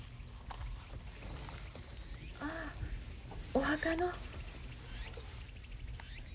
ああお墓の。